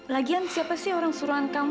lagian siapa sih orang suruhan kamu